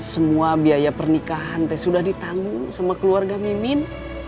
semua biaya pernikahan aku sudah ditangguh sama keluarga mimin